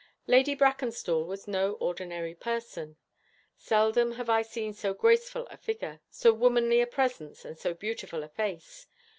Lady Brackenstall was no ordinary person. Seldom have I seen so graceful a figure, so womanly a presence, and so beautiful a face.